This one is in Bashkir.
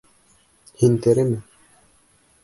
Һин тереме?